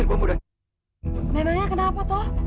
memangnya kenapa toh